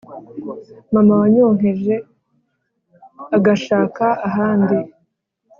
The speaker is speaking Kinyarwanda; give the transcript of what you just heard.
Mama wanyonkeje agashaka ahandi